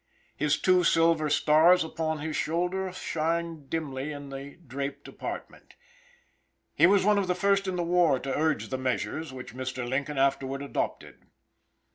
His two silver stars upon his shoulder shine dimly in the draped apartment. He was one of the first in the war to urge the measures which Mr. Lincoln afterward adopted.